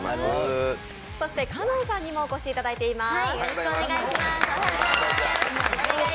そして香音さんにもお越しいただいています。